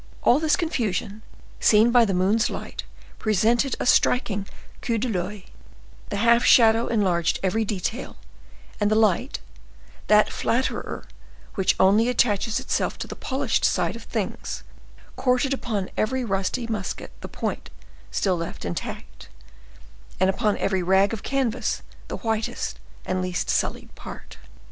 All this confusion, seen by the moon's light, presented a striking coup d'oeil; the half shadow enlarged every detail, and the light, that flatterer which only attaches itself to the polished side of things, courted upon each rusty musket the point still left intact, and upon every rag of canvas the whitest and least sullied part.